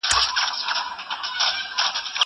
زه به پوښتنه کړې وي!!